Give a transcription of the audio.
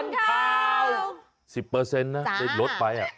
๑๐นะลดไป